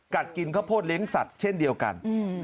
กินข้าวโพดเลี้ยงสัตว์เช่นเดียวกัน